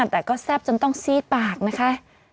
แต่ก็แซ่บจนต้องซีดปากนะคะ